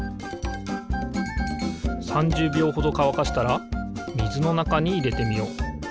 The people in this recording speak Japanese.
３０びょうほどかわかしたらみずのなかにいれてみよう。